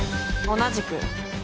同じく。